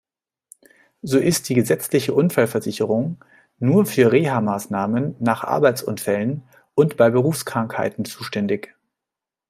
So ist die gesetzliche Unfallversicherung nur für Reha-Maßnahmen nach Arbeitsunfällen und bei Berufskrankheiten zuständig.